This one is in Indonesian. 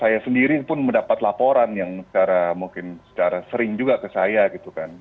saya sendiri pun mendapat laporan yang secara mungkin secara sering juga ke saya gitu kan